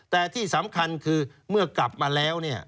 แต่ที่สำคัญคือเมื่อกลับมาแล้วเนี่ย